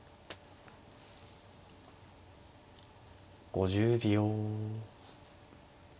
５０秒。